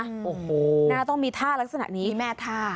น่าจะต้องมีท่ารักษณะนี้มีแม่ท่า